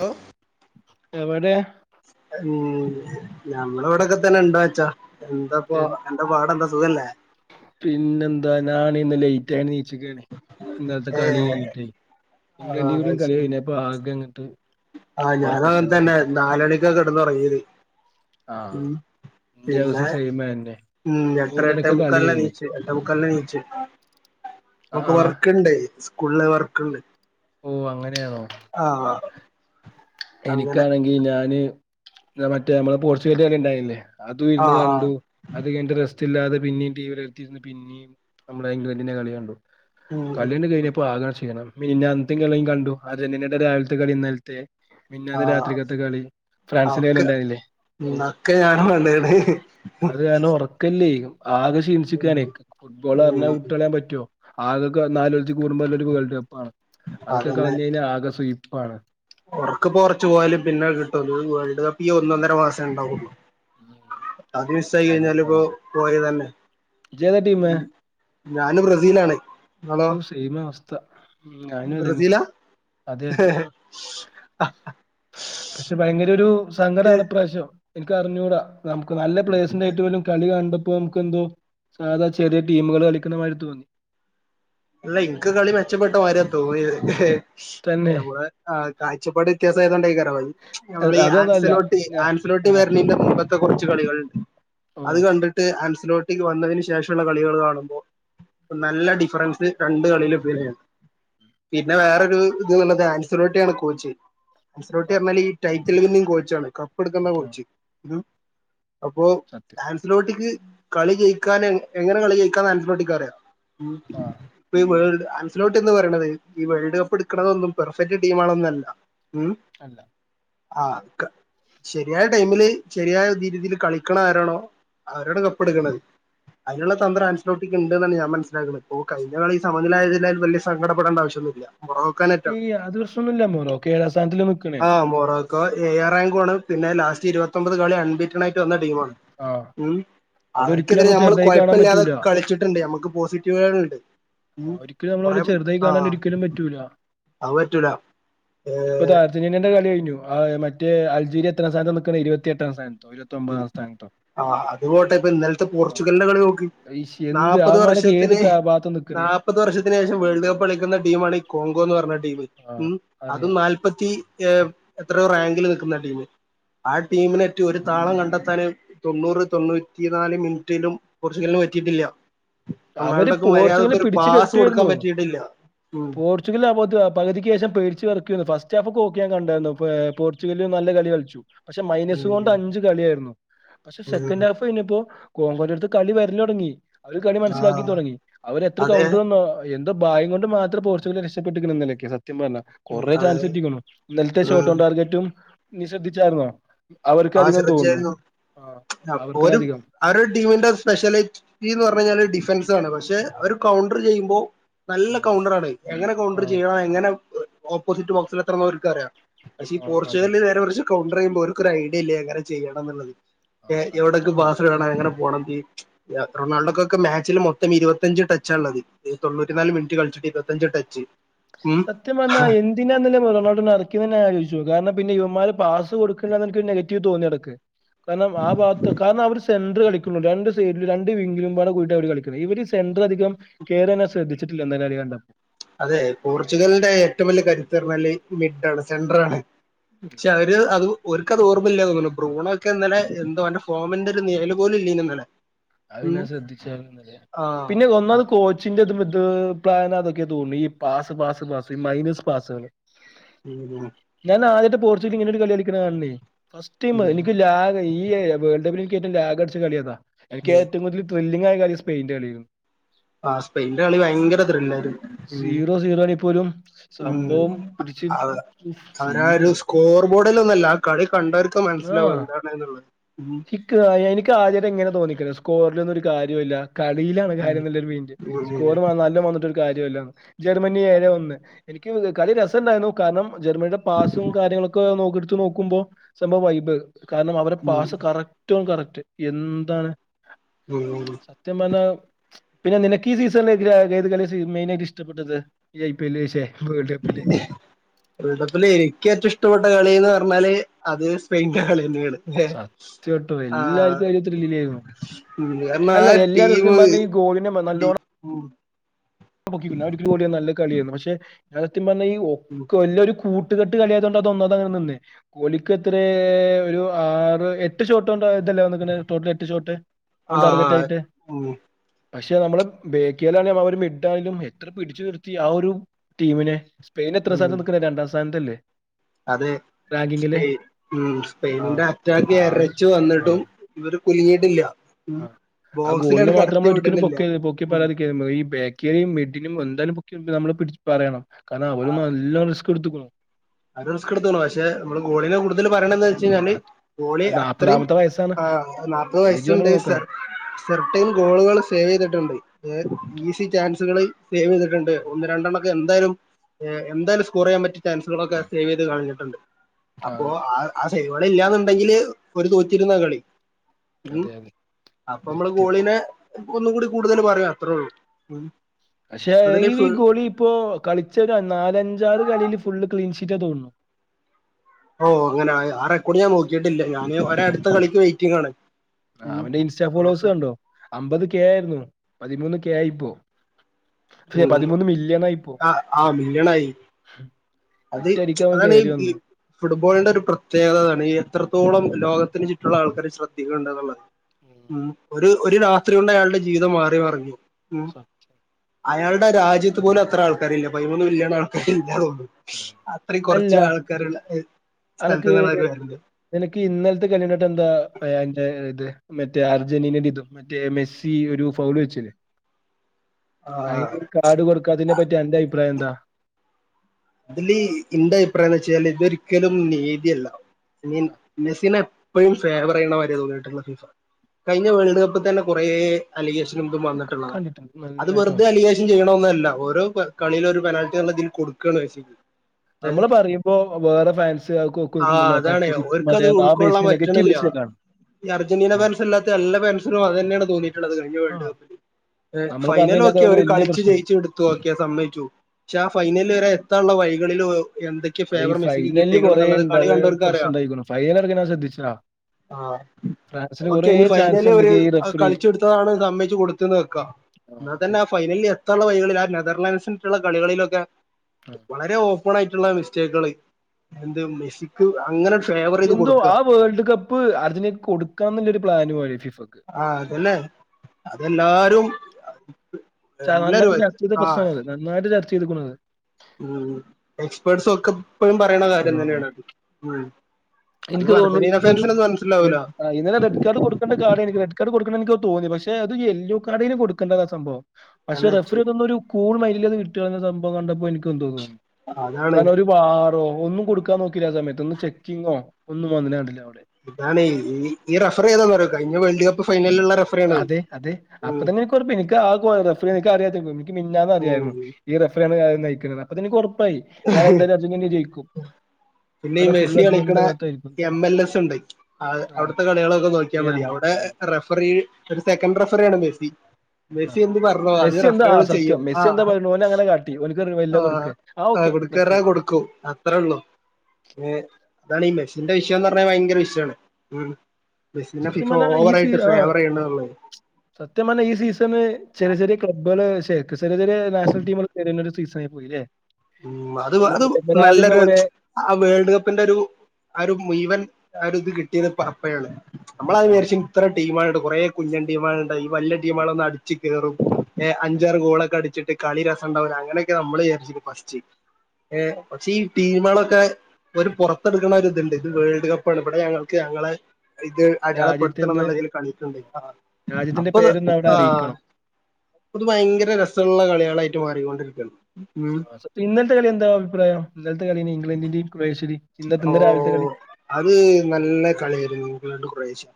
Hello എവടെ ഉം ഞമ്മള് ഇവടൊക്കെ തന്നെ ഇണ്ട് മച്ചാ എന്താപ്പോ എന്താ പാട് എന്താ സുഖല്ലേ പിന്നെ എന്താ ഞാൻ ഇന്ന് ലയ്റ്റ് ആയി നീച്ച്ക്കാണ് ഇന്നല്ത്ത കളി ഏഹ് കഴിഞ്ഞിട്ടയ് ആഹ് ഇംഗ്ലണ്ടി കൂടെയും അത് കളി ശരി കഴിഞ്ഞപ്പ ആകെ ഇങ്ങട്ട് ആഹ് ഞാനും അങ്ങൻതന്നെ നാല ണിക്ക കെടന്ന് ഒറങ്ങീത് ആഹ് പിന്നെ [unintelligible] ഉം എട്ടര കളി എട്ടേമുക്കാല്നാ കഴിഞ്ഞ് നീച്ച് എട്ടേമുക്കാല്നാ നീച്ച് ആ മക്ക് ആ വർക്ക്ണ്ടയ് സ്കൂള് വർക്ക്ണ്ട് ഓ അങ്ങനെണോ ആഹ് ആ എനിക്കാണെങ്കി ഞാന് മറ്റേ നമ്മളെ പോർച്ചുഗല് കളി ഇണ്ടായില്ലേ അതും ഇര്ന്ന് ആഹ് ആഹ് കണ്ടു അത് കയ്ഞ്ഞ്ട്ട് റെസ്റ്റ് ഇല്ലാത പിന്നിം ടി വി ടെ എട്ത്തി ഇര്ന്ന് പിന്നിം നമ്മുടെ ഇംഗ്ലണ്ടിനെ കളികണ്ടു ഉം കളിയണ്ട് കഴിഞ്ഞപ്പോ ആകെ ഷീണാണ് മിനിഞ്ഞാന്നത്തിം കളിംകണ്ടു അർജന്റിനടെ രാവില്ത്തെ കളി ഇന്നല്ത്തെ മിഞ്ഞാന്ന് ആഹ് രാത്രിക്കത്തെ കളി ഫ്രാൻസിന്റെ കളി ഒക്കെ ഇണ്ടായ്ന്നില്ലേ ഉം അഒക്കെ ഞാനും കണ്ടിക്ണ്. ക്കല്ലെയ് ആകെ ക്ഷീണിച്ച്ക്കാണേ ഫുട്ബോൾ ഉം പറഞ്ഞാൽ വിട്ടളയാൻ പറ്റൊ ആകെ ക്കെ [unintelligible] നാല് കൊല്ലത്തി കൂടുമ്പല്ലൊരു വേൾഡ് കപ്പാണ് അതൊക്കെ കളഞ്ഞഴിഞ്ഞാ ആകെ സുയിപ്പാണ്. ഒറക്ക്‌പ്പോ കൊറച്ച് പോയാലും പിന്നെ അത് കിട്ടും വേൾഡ് കപ്പ് ഈ ഒന്നൊന്നര മാസേ ഇണ്ടാവൊള്ളു. അത് മിസ്സായി കഴിഞ്ഞാല് ഇപ്പോ അതാണ് പോയതന്നെ. ഇജ്ജേതാ ടീമ്? ഞാന് ബ്രസീലാണ്. ഹോ സെയിം അവസ്ഥ ഞാനും അതന്നെ ബ്രസീലാ അതെ അതെ. [unintelligible] പക്ഷെ ഭയങ്കര ഒരു സങ്കടാണ് ഇപ്രാവശ്യം എനിക്ക് അറിഞ്ഞൂടാ നമുക്ക് നല്ല പ്ലെയേയ്സ്ണ്ടായിട്ട് പോലും കളി അൻമ്പ പ്പൊ ഇൻക്കെന്തോ സാധാ ചെറിയ ടീമുകള് കളിക്കുന്നമാരി തോന്നി. അല്ല ഇൻക്ക് കളി മെച്ചപ്പെട്ട മാരിയാ തോന്നിയത് എഹ് തന്നെ ഞമ്മളെ ആഹ് കാഴചപ്പാട് വ്യത്യാസം ആയതോണ്ടെയ്ക്കാരം അഹ് ഈ അ- നമ്മളെ ഈ അതൊന്നല്ല ആൻസിലോട്ട് ഞാ ആൻസിലോട്ട് ആ, വെര്ണീന്റെ മുമ്പെ ത്തെ കൊർച്ച് കളികള്ണ്ട് ഓ അത് കണ്ടിട്ട് ആംസിലോ ട്ടിക്ക് വന്നതിന് ശേഷള്ള കളികള് കാണുമ്പോ നല്ല ഡിഫറൻസ് പ്പ് യീ രണ്ട് കളിലും [unintelligible] പിന്നെ വേറൊരു ഇത് ത്ന്ന്ള്ളത് ആൻസലോട്ടിയാണ് കോച്ച്. ആമ്സിലോട്ടി ആ അർഞ്ഞാല് ഈ ടൈറ്റിൽ വിന്നിംഗ് കോച്ചാണ് കപ്പ് എട്ക്ക്ന്ന ആ, കോച്ച്. രു അപ്പൊ സത്യം. ആൻസിലോട്ടിക്ക് കളി ജയിക്കാന് എങ്ങനെ കളി ജയിക്കാന്ന് ഹാൻസിലോട്ടിക്ക് അറിയാം ഉം ആഹ് ഇപ്പഈ വേൾഡ് അൻസിലോട്ടി എന്താ പറീണത് ഈ വേൾഡ് കപ്പ് ഇട്ക്ക്‌ണതൊന്നും പെർഫെക്റ്റ് ടീമാെളൊന്നല്ല ഉം അല്ല ആഹ് ക്ക ശരിയായ ടൈമില് ശരിയായ രീതിയില് ഇതില് കളിക്കണ ആരാണോ അവരാണ് കപ്പ് ഇട്ക്ക്ണത് അയ്നുള്ള ആ, തന്ത്രം ആൻസിലോട്ടിക്ക് ഇണ്ട്ന്നാണ് ഞാൻ മനസിലാക്കുന്നത് ഓഹ് കഴി ഞ്ഞ കളി സമനിലായതിനാലും വല്യെ സങ്കടപ്പെടണ്ട ആവശ്യന്നുഇല്ല്യ ഈ മൊറോക്കാനെറ്റാണോ അത് പ്രശ്നമൊന്നുമില്ല മൊറോക്കെ ഏഴാം സ്ഥാനത്തിൽ നിൽക്കണേ ആഹ് മൊറോ ക്കൊ ഏഴാറാങ്കു ആണ് പിന്നെ ലാസ്റ്റ് ഇരുപത്തൊമ്പത് കളി അൺബിറ്റണയിട്ട് വന്ന ടീമാണ് ആ ഉം അവിടെ ഒരിക്കലും അവർക്കെതിരെ നമ്മൾ ഞമ്മള് ചെറുതായി കാണാൻ കൊഴപ്പില്ലാതെ പറ്റൂല കളിച്ചിട്ട്ണ്ട് ഞമ്മക്ക് പോസിറ്റീവാള്ണ്ട് ഒരിക്കും നമ്മളോല് ചെർതായി കാണാൻ ഒരിക്കലും പറ്റൂല അത് പറ്റൂല ഇപ്പ താ അ ർജൻന്റീനന്റെ കളി കെഴ്ഞ്ഞു ആത് മറ്റേ അൽജീരിയ എത്രാം സ്ഥാനത്താ നിക്ക്ണഹ് ഇരുവത്തി എട്ടാം സ്ഥാനത്തോ ഇര് വത്തി ഒമ്പതാം സ്ഥാനത്തോ ആഹ് അത് പോട്ടെ ഇപ്പ ഇന്നൽത്തെ ആ, പോർച്ചുഗൽന്റെ കളി നോക്ക് അയ്ശ് എന്ത് നാല്പ്പത് അവന്മാരൊക്കെ വർഷത്തില് ഏതിട്ടാ ആ ഭാഗത്ത് നാ നിക്കണേ ൽപ്പത് വർഷത്തിന് ശേഷം വേൾഡ് കപ്പ് കളിക്ക്ന്ന ടീമാണ് ഈ കോങ്കോന്ന് പർഞ്ഞ ടീമ് ആഹ് അതും അറിയാം നാ പ്പത്തി എ എത്രോ റാങ്കില് നിക്കുന്ന ടീമ് ആ ടീമിനേറ്റ് ഒരു താളം കണ്ടെത്താന് തൊണ്ണൂറ് തൊണ്ണൂറ്റി നാല് മിനിറ്റിലും പോർച്ചുഗൽന് പറ്റീട്ടില്ല്യ അവര് റൊണാൾഡക്ക് പോർച്ചുഗലിനെ മര്യാദ്ക്കൊരു പിടിച്ചു പാസ് കൊടുക്കാൻ പറ്റിയിട്ടില്ല ഉം പോർച്ചുഗല്ആ [unintelligible] പകുതിക്ക് ശേഷം പേടിച്ച് വേറക്കെന്നു ഫസ്റ്റ് ഹാഫൊക്കെ ഒക്കെ ഞാൻ കണ്ടാര്ന്നു ഏഹ് പോർച്ചുഗല് നല്ല കളി കൾച്ചു പക്ഷെ മൈനസ് കൊണ്ട് ഉം അഞ്ച് കളിയായിര്ന്നു പക്ഷെ സെക്കൻഡ് ഉം ഹാ ഫ് കഴിഞ്ഞപ്പോ കോങ്കോന്റെട്ത്ത് കളി വെര്ലൊട്ങ്ങി അവര് കളി റ്റ്താക്കി ആ തൊടങ്ങി അവര് എത്ര അതെ കൗണ്ട്ര് എന്നോ എന്തോ ഭാഗ്യം കൊണ്ട് മാത്രാ പോർച്ചുഗല് രക്ഷപ്പെട്ട്ക്ക്ണ് ഇന്നലൊക്കെ സത്യം പർഞ്ഞാ ഉം കൊറെ അതെ ചാൻസ് കിട്ടിക്ക്ണു ഇന്നൽത്തെ ഉം ഷോട്ടോൺ ടാർജറ്റും നീ ശ്രദ്ധിച്ചായ്ര്ന്നോ അവർക്ക് ആ അധികം തോന്നും ശ്രദ്ധിച്ചായിരുന്നു ആ അവർക്കാണ് ഒരു അധികം അവരുടെ ടീമിന്റെ സ്പെഷ്യലിറ്റി എന്ന് പറഞ്ഞ കഴിഞ്ഞാല് ഡിഫൻസണ് പക്ഷെ അവര് കൗണ്ടർ ചെയ്യുമ്പോ നല്ല ആ കൗണ്ടറാണ് എങ്ങനെ കൗണ്ടർ ചെയ്യണം എങ്ങനെ ഓപ്പോസിറ്റ് ബോക്സിൽ എത്തണം അവക്ക് അറിയാം പക്ഷെ ഈ ആ അതെ പോർച്ചുഗലിൽ ഇവരെ കുറിച്ച് കാണ്ടർ ചെയ്യുമ്പോൾ ഓര്ക്ക് ഒരു ഐഡിയ ഇല്ലേ എങ്ങനെ ചെയ്യണം എന്നുള്ളത് ആ എവിടെക്ക് സത്യം തന്നെ പാസ്സ് ഇടണം എങ്ങനെ പോണം തീ റൊണാൾഡോക്കൊക്കെ മാച്ചിൽ മൊത്തം ഇരുപത്തഞ്ച് ടച്ചാ ഉള്ളത് ഈ തൊണ്ണൂറ്റി നാല് മിനിറ്റ് കളിച്ചിട്ട് ഇരുപത്തഞ്ച് ടച്ച് ഉം സത്യം പർഞ്ഞാ എന്ത് പിന്നെ എന്തിനാ റൊണ്ടാൾഡോനെ എറക്കിയേന്ന് തന്നെ ആലോയ്ച്ചു നോക്ക് കാരണം പിന്നെ ഇവമ്മാര് പാസ് കൊടുക്കണ്ട എനിക്ക് ഒരു നെഗറ്റീവ് തോന്നി എനിക്ക് കാരണം ആ ഭാഗത്ത് കാരണം അവര് സെൻററ് കളിക്കൂള്ളു രണ്ട് സെഡ്ല് രണ്ട് വിങ്ങിലും പാടെ കൂടിയിട്ട് അവര് കളിക്കും ഇവര് സെൻറർ അധികം കയറനെ ശ്രദ്ധിച്ചിട്ടില്ല എന്തായാലും അറിയ കണ്ടപ്പോ അതെ പോർച്ചുഗലിന്റെ ഏറ്റവും വലിയ കരുത്ത്ന്ന് പറഞ്ഞാല് മിഡ് ആണ് സെൻറർ ആണ് പക്ഷെ അവര് അതും ഓൽക്കത് ഓർമ്മില്ല തോന്നുന്നു ബ്രൂണ ഒക്കെ ഇന്നലെ എന്തോന്റെ ഫോമിന്റെ ഒരു നിഴല് പോലും ഇല്ലേനി ഇന്നലെ അത് ഉം ഞാൻ ശ്രദ്ധിച്ചാര്ന്നു ഇന്നലെ ആഹ് പിന്നെ ഒന്നാമത് അതെ കോ കോച്ചിന്റെ ഇത് പ്ളാനാന്നൊക്കെ തോന്നി ഈ pass pass pass minus pass ഉം ഞാൻ ആദ്യായിട്ടാ പോർച്ചുഗൽ ഇങ്ങനെ ഒരു കളി കളിക്കണ കാണേ ഫസ്റ്റ് ടൈ ഉം എനിക്ക് ലാേ ഏറ്റവും ലാഗ് അടിച്ച കളി അതാ എനിക്ക് ഉം ഏറ്റവും കൂടുതല് ത്രില്ലിംങ് ആ കളി സ്പെയിൻന്റെ കളിയായിരുന്നു ആഹ് സ്പെയിനിന്റെ കളി ഭയങ്കര ത്രില്ലായിരുന്നു ഉം സീറോ സീറോ ആണെങ്കിൽ പോലും ഉം സംഭവം പിടിച്ച് അതെ അവരാ സീന് ഒരു കളി സ്കോർ ബോർഡിലൊന്നും അല്ല ആ കളി കണ്ടവർക്ക് മനസ്സിലാവും ആ എന്താണ് ന്ന്ള്ളത് എനിക്ക് ആദ്യായിട്ട് ഇങ്ങനെ തോന്നിക്ക്ണ സ്കോറിലൊന്നും ഒരു കാര്യം ഇല്ല കളിയിലാണ് ഉം കാര്യം ന്ന്ള്ള ഒരു മെയിന്റ് സ്കോർ ഉം നല്ല വന്നിട്ട് കാര്യം ഇല്ല ജർമ്മനി ഏഴേ ഒന്ന് എനിക്ക് കളി രസം ഉണ്ടായിരുന്നു കാരണം ജർമ്മനിയുടെ പാസും കാര്യങ്ങളൊ ഒക്കെ എടുത്ത് നോക്കുമ്പോ സംഭവം വൈബ് കാരണം അവര ഉം പാസ് കറക്റ്റോ കറക്റ്റ് എന്താണ് [unintelligible] സത്യം പറഞ്ഞാ പിന്നെ നിനക്ക് ഈ സീസണില് ഏത് കളിയാ മെയിനായിട്ട് ഇഷ്ടപ്പെട്ടത് ഈ ഐ പി എല് ശേ വേൾഡ് കപ്പില് വേൾഡ് കപ്പില് എനിക്ക് ഏറ്റവും ഇഷ്ടപ്പെട്ട കളിന്ന് പറഞ്ഞാല് അത് സ്പെയിൻന്റെ കളിയന്നെയാണ് സത്യം കേട്ടോ ആഹ് എല്ലാവർക്കും അതിൽ ത്രില്ലിലായിരുന്നു ഉം കാരണം ആ അല്ല എല്ലാവരും ടീമ് സത്യം പറഞ്ഞ ഈ ഗോളിനെ നല്ലോണം ഉം [unintelligible] നല്ല കളിയാണ് പക്ഷെ സത്യം പറഞ്ഞ ഈ ഒക്കെ ഓലൊരു കൂട്ട കൂട്ട്കെട്ട് കളിയാത് കൊണ്ട് അതൊന്നാമത് അങ്ങനെ നിന്നെ ഓലിക്ക് എത്രേ ഒരു ആറ് എട്ട് ഷോട്ടോണ്ട് ഇതല്ലേ വന്ന്ക്ക്ണ ടോട്ടൽ എട്ട് ഷോട്ട് ഓൺ ടാർഗറ്റ് ആഹ് ആയിട്ട് ഉം പക്ഷെ നമ്മള് ബേക്കിയലാണ ഒരു മിഡ് എന്തായാലും എത്ര പിടിച്ചു നിറുത്തി ആ ഒരു ടീമിനെ സ്പെയിൻ എത്രാ ഉം സ്ഥാനത്താ നിക്കുന്നേ രണ്ടാം സ്ഥാനത്തല്ലേ അതെ റാങ്കിങ്ങില് സ്പെയി ഉം ആ സ്പെയിനിന്റെ അറ്റാക്ക് ആ ഒരു എരച്ചു ആ വന്നിട്ടും ഇവര് ആ കുലിങ്ങീട്ടില്ല ഉം ആ ഗോളിനെ ബോസിലങ്ങട് മാത്രം കടത്തി നമ്മൾ ഒരിക്കലും വിടണില്ല പൊക്കി പൊക്കി ഈ ബാക്കേറിയയും മിഡിനും എന്താലും പൊക്കി കൊണ്ട് വരാൻ നമ്മള് പിടി പറയണം കാരണം അവര് ആഹ് നല്ലോണം റിസ്ക് എടുത്ത്ക്ക്ണു അവര് റിസ്ക് എടുത്ത്ണ് പക്ഷേ നമ്മള് ഗോളിനെ കൂടുതല് പറയണം ന്ന് ച്ച് കഴിഞ്ഞാല് ഗോളി അത്രയും നാപ്പതാമത്തെ വയസ്സാണ് ആഹ് നാപ്പത് ഏജ് നമ്മൾ വയസ്സ്ണ്ട് സർ നോക്കണം സെർട്ടയിം ഗോളുകൾ സേവ് ചെയ്തിട്ടുണ്ട് ഏഹ് ഈസി ചാൻസുകളിൽ സേവ് ചെയ്തിട്ടുണ്ട് ഒന്ന് രണ്ടെണ്ണം ഒക്കെ എന്തായാലും എന്തായാലും സ്കോർ ചെയ്യാൻ പറ്റിയ ചാൻസ് ഇവിടൊക്കെ സേവ് ചെയ്ത് കാണിച്ചിട്ടുണ്ട് അപ്പോ അതെ ആഹ്. അത് ശരി അവള് ഇല്ലാന്നുണ്ടെങ്കില് ഓര് തോറ്റിരുന്ന കളി. ഉം അതെ അതെ അപ്പൊ മ്മള് സത്യം ഗോളീനെ ഒന്നും കൂടി കൂടുതൽ പറയും അത്രേ ഉള്ളൂ. പക്ഷെ അതില് ഈ ഫുൾ ഗോളി ഇപ്പോ കളിച്ച ഒരു നാലഞ്ചാറ് കളീൽ ഫുള്ള് ക്ലീൻഷീറ്റ് തോന്നുന്നു. ഓഹ് അങ്ങനെ ആഹ് റെക്കോട് ഞാൻ നോക്കിയിട്ടില്ല. ഞാന് ഓരടുത്ത കളിക്ക് വെയിറ്റിംങ്ങാണ്. ആ അവന്റെ ഇൻസ്റ്റാ ഫോളോവേർസ് കണ്ടോ അമ്പത് കെ ആയിരുന്നു. പതിമൂന്ന് കെ ആയിപ്പോ. ശേ ഉം പതിമൂന്ന് മില്യൺ ആയിപ്പോ. ആ ആ മില്യണായി അത് ഒറ്റയടിക്ക് അവൻ അതാണ് കയറി ഈ ഈ വന്ന് ഫുട്ബോളിന്റെ ഒരു പ്രത്യേകതതാണ് എത്രത്തോളം ലോകത്തിന് ചുറ്റുള്ള ആൾക്കാര് ശ്രദ്ധിക്കണ്ട് എന്നുള്ളത്. ഉം ഒരു ഒരു രാത്രി കൊണ്ട് അയാളുടെ ജീവിതം മാറി മറിഞ്ഞു. ഉം അയാളുടെ രാജ്യത്ത് പോലും അത്ര ആൾക്കാര് ഇല്ല പതിമൂന്ന് മില്യൺ ആൾക്കാർ ഇല്ലാതോന്നുന്നു. അത്രീം അല്ല കൊറച്ച് ആൾക്കാരുള്ള അനക്ക് സ്ഥലത്തുന്നാണ് അവര് വര്ന്ന്. നിനക്ക് ഇന്നലത്തെ കളി കണ്ടിട്ട് എന്താ എന്താ അൻ്റെ ഇത് മറ്റേ അർജന്റീനന്റെ ഇതും. മറ്റേ മെസ്സി ഒരു ഫൗള് വെച്ചില്ലേ. ആഹ് അതിന്റെ കാഡ് കൊടുക്കാതിനെ പറ്റി എന്റെ അഭിപ്രായം എന്താ? അതില് എന്റെ അഭിപ്രായം എന്ന് വെച്ചാല് ഇതൊരിക്കലും നീതിയല്ല. ആ മെസിനെ എപ്പോഴും ഫേവറെയ്യണ മാതി രിയാണ്കഴിഞ്ഞ വേൾഡ് കപ്പിൽ തന്നെ കൊറേ അലിഗേഷൻ നമുക്ക് ക- വന്നിട്ടുള്ളതാ. കണ്ടിട്ടുണ്ട്. അത് നന്നായിട്ട് വെറുതെ വന്നു. അലിഗേഷൻ ചെയ്യണ ഒന്ന്ല്ല ഓരോ കളീൽ ഒരു പെനാൽറ്റി ന്ന് പറഞ്ഞ് ഇതിൽ കൊടുക്കണ്. നമ്മള് പറയുമ്പോ വേറെ ഫാൻസ് നോകു ആഹ് അതാണ് ഓര്ക്കത് കറ്റി ഉൾക്കൊള്ളാൻ ബേസിൽ നെഗറ്റീവ് പറ്റണില്ല ബേസില കാണ് ണ്. അർജന്റീന ഫെൻസല്ലാത്ത എല്ല ഫാൻസിനും അതന്നെയാണ് തോന്നിയിട്ടുള്ളത്. കഴിഞ്ഞ വേൾഡ് ആഹ്. കപ്പില്. നമ്മള് പറഞ്ഞേന്റെ അത് ഫൈനലോക്കെ ഒരു അവര് വല്യ കളിച്ചു പ്രശ്നായി. ജയിച്ചടു ച്ചെടുത്തു ഓക്കെ സമ്മയിച്ചു. പക്ഷെ ആ ഫൈനല് വരെ എത്താനുള്ള വഴികളിൽ എന്തൊ ഈ ഫൈനല് കൊറെേ ഉണ്ടാ പ്രശ്നം കുറച്ചുണ്ടായി. ഫൈനൽ അടക്കം ശ്രദ്ധിച്ച ആഹ് ഓക്കെ ഇനി ചാൻസ് ഫൈനലി അവര് എന്തൊക്കെ ഈ റഫറി കളിച്ചുടുത്തതാണ് ന്ന് സമ്മയിച്ച് കൊടുത്ത്ന്ന് വെക്കാ. ആഹ് എന്നാ അതെ തന്നെ ഫൈനലിൽ എത്താനുള്ള വഴികളിൽ ആ നെതർലാൻസിനുള്ള കളികളിലൊക്കെ ആഹ്. വളരെ ഓപ്പൺ ആയിട്ടുള്ള മിസ്റ്റേക്കുകള്. എന്ത് മെസ്സിക്ക് അങ്ങനെ ഫേവർ ചെയ്ത് എന്തോ കൊടുക്കുക ആ വേൾഡ് കപ്പ് അർജന്റീനക്ക് കൊടുക്കാ എന്നുള്ളൊരു പ്ലാനു മയിരി ആഹ് ഫിഫക്ക്. ആഹ് അതല്ലേ അതെല്ലാരും. എല്ലാരും നന്നായിട്ട് ചർച്ച ചെയ്ത ആ പ്രശ്നമല്ലാ അത് നന്നായിട്ട് ചർച്ച ചെയ്ത്ക്കണു. ഉം എക്സ്പേർട്സ് ഒക്കെ ഇപ്പോഴും പറയണകാര്യം ആഹ്. തന്നെയാണത്. ഉം. അത് അർജന്റീന ഫാൻസ്ന്നൊന്നും മനസ്സിലാവൂല. ആ ഇന്നെലെ റെഡ് കാർഡകൊടുക്കണ്ട കാർഡാണ് എനി റെഡ് കാർഡ് കൊടുക്കണ്ടഎനിക്ക് തോന്നി പക്ഷേ അത് യെല്ലോ കാർഡിങ്ങി കൊടുക്കേണ്ടതാ സംഭവം. പക്ഷെ എന്നച്ച് റഫറിന്നൊഒരു കൂൾ മെയ്ന്റല് വിട്ടുകളയുന്ന സംഭവ കണ്ടപ്പോൾ എനിക്ക് എന്തോ തോന്നി. അ അതാണ്. ആടോ ഒന്നും കൊടുക്കാൻ നോക്കില്ല ആ സമയത്ത് ഒന്ന് ചെക്കിങ്ങോ ഒന്നും വന്നില കണ്ടില്ല അവിടെ. അതാണ് ഈ റഫറി ഏതാന്നറിയോ കഴിഞ്ഞ വേൾഡ് കപ്പ് ഫൈനലുള്ള റെഫർ അതെ അതെ അപ്പൊ തന്നെ എനിക്ക്റപ്പ എനിക്ക് ആറഫ എനിക്ക അറിയാ എനിക്ക് മി ഞ്ഞന്ന് അറിയായിരുന്നു. ഉം ഈ റഫറയാണ് നയിക്കുന്നത് അപ്പതെന്നെ എനിക് ഒറപ്പായി നാെ എന്തായാലും അഅര്ജന്റീന ജയിക്കും. പിന്നെ ഈ കാരണം ഫുൾ മെസ്സി കളിക്കണ അർജന്റീനയുടെ ഭാഗത്തായിരിക്കും. എം എൽ എസ് ഉണ്ട് ആഹ് അവിടുത്തെ കളികളൊക്കെ നോക്കിയാൽ മതി. യാമി അവിടെ ഉം റഫറി ഒരു സെക്കൻഡ് റഫറിയാണ് മെസ്സി. ആഹ്. മെസ്സി എന്തുപറഞ്ഞോ അത് മെസ്സി എന്താ ആ റഫറുകൾ സത്യം ചെയ്യും ആ മെസ്സി എന്താ പറയുന്നത് ഓനെ അങ്ങനെ കാട്ടി ഓനക്ക് വലിയ ആ. കൊടുക്കുക ആ ഓക്കെ റെഫറി കൊടുക്കാപറഞ്ഞകൊടുക്കും. അത്രേ ഉള്ളൂ. ഏ അതാണ് ഈ മെസിന്റെ വിഷയംന്ന് പറഞ്ഞാൽ ഭയങ്കര വിഷയമാണ്. ഉം മെസ്സിനെ ഫിഫ ഓവർ ആയിട്ട് ഫേവർചെയ്യണുള്ളൂ. സത്യപറഞ്ഞ ഈ സീസന് ചെറിയ ചെറിയ ക്ലബ്കൾ ശേ ചെറിയ ചെറിയ നാഷണൽ ടീഒരു കേറിന്നര് സീസണായി പോയില്ലേ. ഉം അത് നമ്മൾ അത് വരാതിരുന്ന നല്ലൊരു. കുറെ ആഹ് വേൾഡ് കപ്പിന്റെ ഒരു ആഹ് ഒരു മുഴുവൻ ആരു ഇത് കിട്ടിയത് പ അപ്പയാണ്. നമ്മളാദ്യം ആ, വിചാരിച്ചു ഇത്ര ടീമായോണ്ട് കുറേ കുഞ്ഞൻ ടീമാളുണ്ട് ഈ വലിയ ആ, ടീമാളോന്ന് അടിച്ചു കേറും. എഹ് അതെ അഞ്ചാറ് ഗോളൊക്കെ അടിച്ചിട്ട്കളി രസംണ്ടാവൂല അങ്ങനെയൊക്കേ നമ്മൾവിജാര്ച്ചീഞെ പ ച്ചു ഏഹ് പക്ഷേ ഈ ടീമളൊക്കെ. ഒരു പുറത്തെടുക്കണര്തുണ്ട് ഇത് വേൾഡ് കപ്പാണ് ഇവടെ ഞങ്ങൾക്ക് ഞങ്ങളെ ഇത് രാജ്യത്ത് അടയാളെപടുത്തണം നിന്ന് ന്നുള്ള രീതിയിൽ കളിക്ക്ണ്ട് ആഹ് രാജ്യത്തിന്റെ അപ്പൊ പേരൊന്ന് അവിടെ ആഹ് അറിയിക്കണം പ്പോ ഇത് ഭയങ്കര രസള്ള കളികളായിട്ട് മാറികൊണ്ടിരിക്കയാണ്. പീന്നൽത്തെ കളി എന്താ അഭിപ്രായ ഇന്നലെത്തെ കളി ഇംഗ്ലണ്ടിന്റെയും ക്രോഷിന്റെയും ഓ ശരിന്ന രാവിലത്തെ കളി. അത് നല്ല കളിയായിരുന്നു ഇംഗ്ലണ്ടും ക്രോവേഷയും.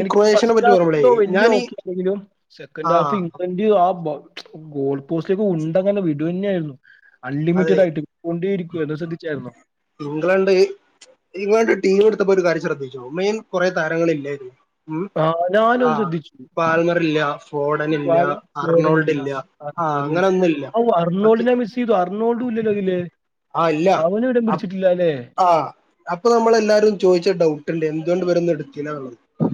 എനിക്ക് ഫസ്റ്റ് ഹാഫ് ന്തോ വല്യ ഓക്കിഅല്ലങ്കിലും സെക്കൻഡ് ഹാഫ് ആഹ് ഇംഗ്ലണ്ട് ന്റ് ആബ ഗോൾ പോസ്റ്റിലേക്ക് ഉണ്ടങ്ങനെ വിടന്നേയിരുന്നു. അതെ അൺലിമിറ്റഡ് ആയിട്ട് കൊണ്ടേഇരികായിരുന്നു അഹ് ശ്രദ്ധിച്ചായിരുന്നോ. ഇംഗ്ലണ്ട്, ഇംഗ്ലണ്ട് ടീം എടുത്തപ്പോ ഒരു കാര്യം ശ്രദ്ധിച്ചോ മെയിൻ കുറെേ താരങ്ങളില്ലായിരുന്നു. ഉം ആ ഞാനത് ആഹ് ശ്രദ്ധിച്ചു പാൽമറില്ല ഫോഡനില്ല വാല- ജോർഡനില്ല അർണോൾഡില്ല, ആഹ് അങ്ങനെന്നുല്ല പ ക്കിതു അർണോൾടു ഇല്ല്യല്ലോതിൽ. ആഹ് ഇല്ല അഹ് ആഹ് അപ്പൊ നമ്മളെല്ലാരും ചോദിച്ചട്ടോ എന്തുകൊണ്ട് ഇവരുന്നടുത്തില്ല.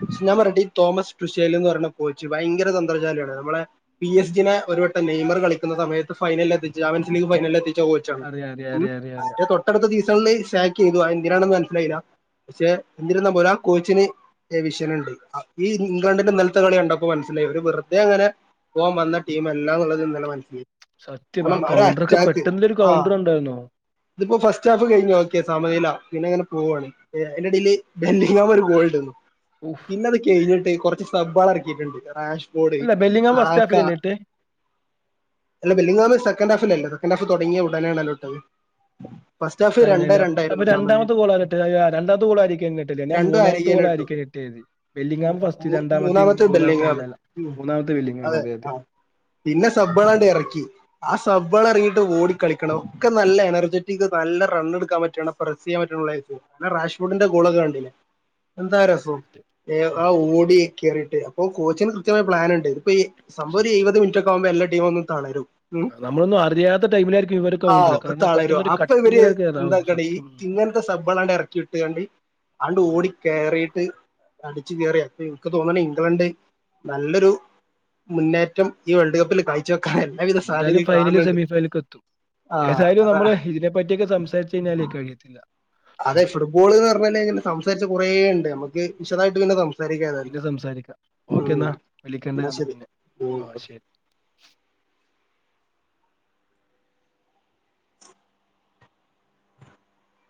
പക്ഷെ ഞാൻ പറയട്ടെ തോമസ്ടുഷേൽ എന്ന് പറഞ്ഞഈ കൊച്ച് ഭയങ്കര തന്ത്രഞാലിയാണ് നമ്മളെ പി എസ് ജിനെ ഒരുട്ടംനെയ്മർ കളിക്കുന്ന സമയത്ത് ഫൈനൽ എത്തിച്ച ചമ്പിൻസ് ലീഗ് ഫൈനൽ എത്തിച്ച കോ അറിയാം അറിയാം ചാണ് അറിയാം അറിയാം അറിയാം തൊട്ടടുത്തസീസണില് സാക്ക്യ്തു എന്തിനാണെന്ന് മനസ്സിലായില്ല. പക്ഷെ എന്തിരുന്നാ പോരാ കോച്ചിന്, എവിഷ്യനുണ്ട് ഈ ഇംഗ്ലണ്ടിന്റെ ഇന്നൽത്തെ കളി കണ്ടപ്പോ മനസ്സിലായി ഒരു വെറുതെ അങ്ങനെ, പോവാന് വന്ന ടീമല്ലാ ന്നുള്ളത് ഇന്നലെ മനസ്സിലായി. സത്യം കാരണം ആഹ് ഒരു കൗണ്ടറൊക്കെ അറ്റാക്ക് പെട്ടെന്ന് ഒരു ആഹ് കൗണ്ടറുണ്ടായിരുന്നോ. ഇതിപ്പോ ഫസ്റ്റ് ഹാഫ് കഴിഞ്ഓക്കെ സമനില പിന്നെങ്ങനെ പോവാണ്. അയിന്റെടയില് ബെല്ലിഗ്ഹാം ഒരു ഗോളുടുന്നു. ഓഫ്! പിന്നത് കഴിഞ്ഞിട്ട് കുറച്ച് സബ്ഇറക്കിയിട്ടുണ്ട് റാഷ്ഫോഡ് അല്ല ബെല്ലിങ്ങാം ഫസ്റ്റ് സാക്ക ഹാഫിലല്ലേ ഇട്ടെ അല്ല ബെല്ലിഹാം സെക്കൻ്ഹാഫല്ലേ സെക്കൻഡ് ഹാഫ് തുടങ്ങിയടാനാണല്ലോട്ടത്. തന്നെയല്ല അപ്പൊ രണ്ടാമത്തെ ഗോളാരാട്ടത് രണ്ടാമത്തെ ഗോളാരിക്കെന്നെട്ടത് എന്നാ രണ്ടും മൂന്നാമത്തെ അരികേന ഇട്ടു ഗോളാരിക്കേ കിട്ടിയത് വെല്ലിങ്ങാം ഫസ്റ്റ് രണ്ടാമത്തിം മൂന്നാമത്തെ ബെല്ലിങ്ങാം അല്ലല്ല ഉം മൂന്നാമത്തെ വെല്ലിങ്ങം അതെ അത് പിന്നെ സബ്ബാളെണ്ട് എറക്കി ആ സബ്ബാളറങ്ങി ട്ട് ഓടിക്കളിക്കണം ഒക്കെ നല്ല എനർജെറ്റിക് നല്ല റണ്ണ്ട്ക്കാൻ പറ്റിയാണ് ഫ്രസ്സെയ്യാൻ പറ്റൊള്ളയ്ക്ക്‌ അഹ് റാഷ്ഫുഡിന്റെ ഗോളൊക്കെ കണ്ടില്ലേ എന്താ രസം പ്പം അതെ. എഹ് ആഹ് ഉം ഓടി കയറിയിട്ട് അപ്പൊ കോച്ചിന് കൃത്യമായ പ്ലാൻണ്ട് ഇപ്പൊ സംഭവം ഒരെഴ് സത്യം വത് മിൻറ്റൊക്കാകുമ്പോ എല്ലാ ടീമൊന്ന് തളരും ആ, നമ്മളൊന്നും അറിയാത്ത ടൈമിലായിരിക്കും ഇവര് ആഹ് കൗണ്ടർ ഒക്കെ കാരണം തളരും പെട്ടെന്നൊരു അപ്പവര് കട്ടിങ്ങിലേക്ക് കേറാവും എന്താക്കാണ്ട് ഈ സത്യം ഇങ്ങൻത്തെ സബ്ബാളണ്ടർക്കിട്ട്കാണ്ട് ഉം ആണ്ടോടി കേറീട്ട് അടിച്ചുകേറി അപ്പൊ എൻക്ക് തോന്നണെ ഇംഗ്ലണ്ട് നല്ലൊരു മുന്നേറ്റം ഈ വേൾഡ് കപ്പില് കാഴ്ചവെക്കാനല്ലേ എന്തായാലും ഫൈനല് സെമിഫൈനലേക്കെത്തും ആ ഏതായാലും അതാ നമ്മള് ഇതിനെപ്പറ്റിയൊക്കെ സംസാരിച്ചുകഴിഞ്ഞാല് കഴിയത്തില്ല അതെ ഫുട്ബോളൂന്നു പറഞ്ഞാലിങ്ങനെ സംസാരിച്ചു കൊറേയുണ്ട് നമ്മക്ക് ഉം. വിശദായിട്ട് പിന്നെ സംസാ സാരിക്കേതായാലും പിന്നെ സംസാരിക്കാം ഓക്കെ ഉം എന്നാ വിളിക്കണ്ട എന്നാ ശെരി പിന്നെ ഉം ഓ ഓക്കേ ശരി